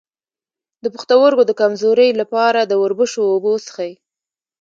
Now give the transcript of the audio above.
د پښتورګو د کمزوری لپاره د وربشو اوبه وڅښئ